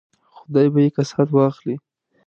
خدای به یې کسات واخلي.